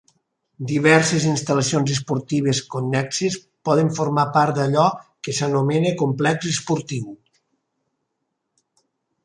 Diverses instal·lacions esportives connexes poden formar part d'allò que s'anomena complex esportiu.